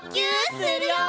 するよ！